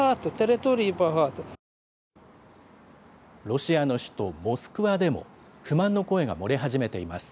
ロシアの首都モスクワでも、不満の声が漏れ始めています。